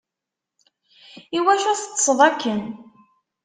Iwacu teṭṭseḍ akken?